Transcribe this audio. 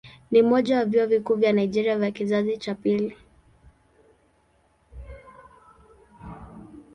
Ni mmoja ya vyuo vikuu vya Nigeria vya kizazi cha pili.